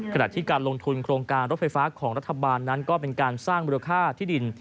ขณะที่การลงทุนโครงการรถไฟฟ้าของรัฐบาลนั้นก็เป็นการสร้างมูลค่าที่ดิน